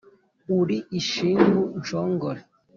Uri ishingu nshongore